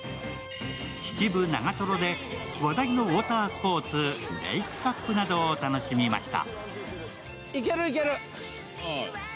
秩父・長瀞で話題のウォータースポーツ、レイクＳＵＰなどを楽しみました。